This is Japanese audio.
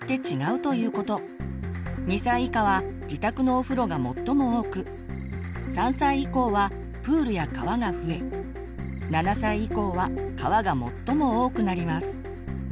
２歳以下は自宅のお風呂が最も多く３歳以降はプールや川が増え７歳以降は川が最も多くなります。